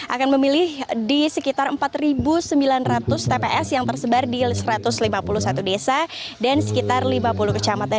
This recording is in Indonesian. akan memilih di sekitar empat sembilan ratus tps yang tersebar di satu ratus lima puluh satu desa dan sekitar lima puluh kecamatan